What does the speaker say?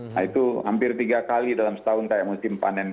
nah itu hampir tiga kali dalam setahun kayak musim panen